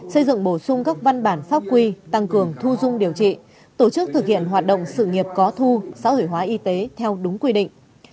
xây dựng bổ sung các văn bản pháp quy tăng cường thu dung điều trị tổ chức thực hiện hoạt động sự nghiệp có thu xã hội hóa y tế theo đúng quy định